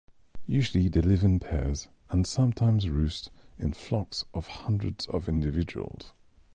Usually they live in pairs and sometimes roost in flocks of hundreds of individuals.